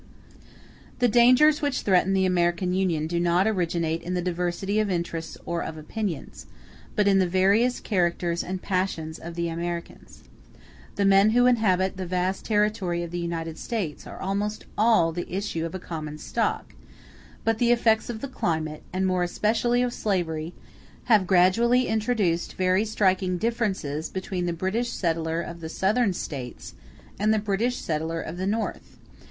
The dangers which threaten the American Union do not originate in the diversity of interests or of opinions, but in the various characters and passions of the Americans. The men who inhabit the vast territory of the United States are almost all the issue of a common stock; but the effects of the climate, and more especially of slavery, have gradually introduced very striking differences between the British settler of the Southern States and the British settler of the North.